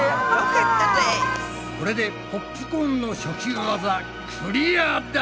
これでポップコーンの初級ワザクリアだ！